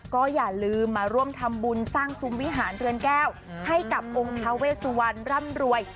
ก็อย่าลืมมาร่วมทำบุญสร้างซุมวิหารเรือนแก้วให้กับองค์ท้าเวสวันร่ำรวย